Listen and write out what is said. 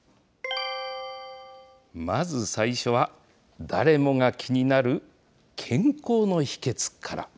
まず最初は誰もが気になる健康の秘けつから。